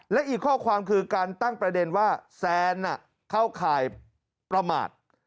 และอีกข้อความคือการตั้งประเด็นว่าแซนเข้าข่ายประมาท